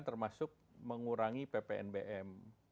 termasuk mengurangi ppnbm